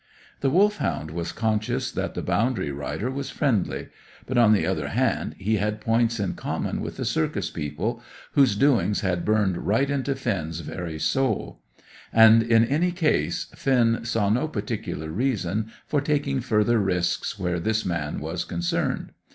The Wolfhound was conscious that the boundary rider was friendly; but, on the other hand, he had points in common with the circus people, whose doings had burned right into Finn's very soul; and, in any case, Finn saw no particular reason for taking further risks where this man was concerned.